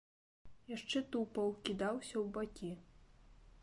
Яшчэ тупаў, кідаўся ў бакі.